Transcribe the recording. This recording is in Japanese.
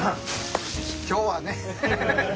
今日はね。